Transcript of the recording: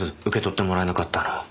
受け取ってもらえなかったの。